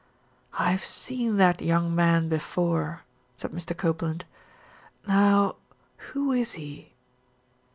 "I've seen that young man before," said Mr. Copeland. "Now, who is he?